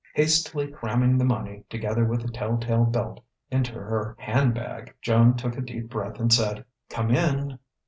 Hastily cramming the money, together with the tell tale belt, into her handbag, Joan took a deep breath and said "Come in!"